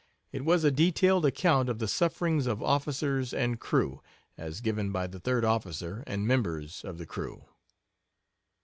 It was a detailed account of the sufferings of officers and crew, as given by the third officer and members of the crew.